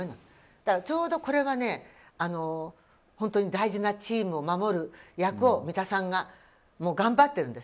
だからちょうどこれは本当に大事なチームを守る役を三田さんが頑張ってるんです。